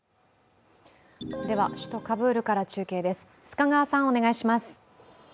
首都カブールから中継です。